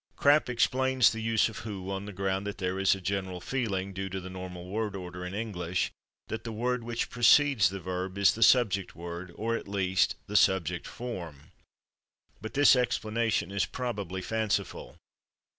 Krapp explains this use of /who/ on the ground that there is a "general feeling," due to the normal word order in English, that "the word which precedes the verb is the subject word, or at least the subject form." But this explanation is probably fanciful.